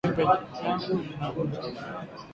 Jembe yangu inavunjika